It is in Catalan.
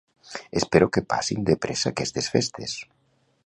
Espero que passin de pressa aquestes festes